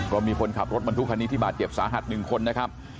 ก็มีคนขับรถบรรทุกคันนี้ที่บาดเจ็บสาหัส๑คนนะครับ